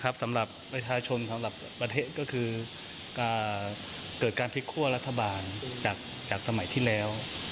สำหรับประชาชนสำหรับประเทศก็คือเกิดการพลิกคั่วรัฐบาลจากสมัยที่แล้ว